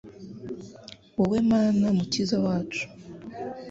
wowe Mana Mukiza wacu